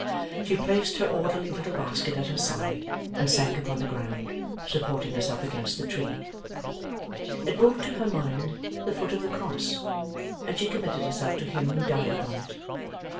She placed her orderly little basket at her side, and sank upon the ground, supporting herself against the tree. It brought to her mind the foot of the Cross, and she committed herself to Him who died upon it.